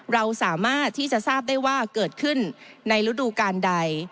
เราสามารถที่จะทราบได้ว่าเกิดขึ้นในฤดูการใด